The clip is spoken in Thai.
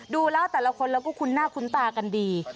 ดูแล้วแต่ละคนเราก็คุ้นหน้าคุ้นตากันดี